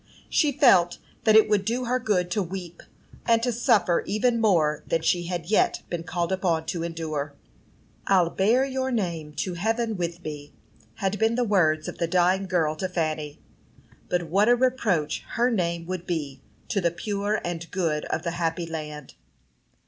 She felt that it would do her good to weep, and to suffer even more than she had yet been called upon to endure. "I'll bear your name to heaven with me," had been the words of the dying girl to Fanny; but what a reproach her name would be to the pure and good of the happy land!